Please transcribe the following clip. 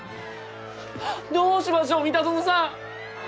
どうしましょう三田園さん！